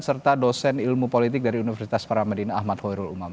serta dosen ilmu politik dari universitas para madinah ahmad hoirul umam